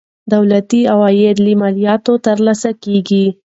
دولتي عواید له مالیاتو ترلاسه کیږي.